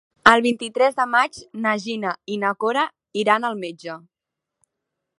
El vint-i-tres de maig na Gina i na Cora iran al metge.